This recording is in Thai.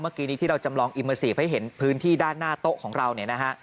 เมื่อกี้นี้ที่เราจำลองอิมเมอร์ซีฟให้เห็นพื้นที่ด้านหน้าโต๊ะของเราเนี่ยนะฮะ